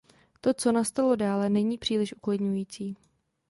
To, co nastalo dále, není příliš uklidňující.